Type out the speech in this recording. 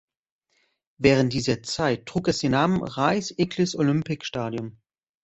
Während dieser Zeit trug es den Namen "Rice-Eccles Olympic Stadium".